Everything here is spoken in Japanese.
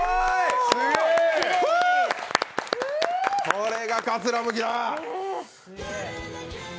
これが、かつらむきだ！